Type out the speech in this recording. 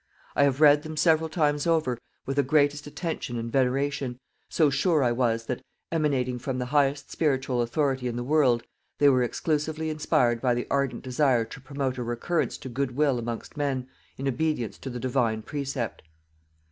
I have read them several times over with the greatest attention and veneration, so sure I was that, emanating from the highest spiritual Authority in the world, they were exclusively inspired by the ardent desire to promote a recurrence to good will amongst men, in obedience to the Divine precept.